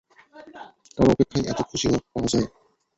কারো অপেক্ষায় এতো খুশি পাওয়া যায়?